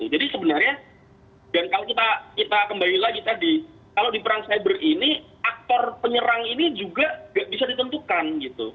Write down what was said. jadi sebenarnya dan kalau kita kembali lagi tadi kalau di perang cyber ini aktor penyerang ini juga gak bisa ditentukan